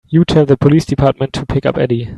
You tell the police department to pick up Eddie.